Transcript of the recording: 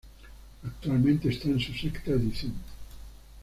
Actualmente está en su sexta edición.